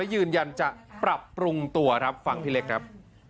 ยืนยันจะปรับปรุงตัวครับฟังพี่เล็กครับ